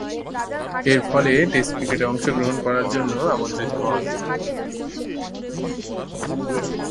এরফলে টেস্ট ক্রিকেটে অংশগ্রহণ করার জন্য আমন্ত্রিত হন।